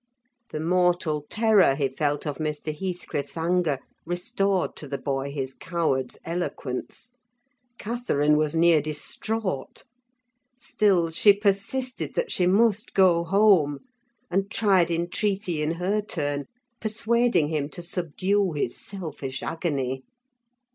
The mortal terror he felt of Mr. Heathcliff's anger restored to the boy his coward's eloquence. Catherine was near distraught: still, she persisted that she must go home, and tried entreaty in her turn, persuading him to subdue his selfish agony.